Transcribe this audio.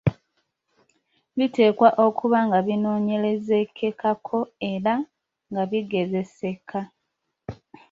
Biteekwa okuba nga binoonyerezekekako era nga bigezeseka.